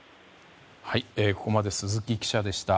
ここまで鈴木記者でした。